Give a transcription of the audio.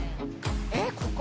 えっここ？